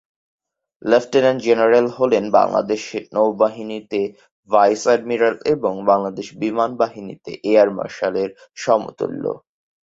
Lieutenant general হল বাংলাদেশ নৌবাহিনীতে vice admiral এবং বাংলাদেশ বিমান বাহিনীতে এয়ার মার্শালের সমতুল্য।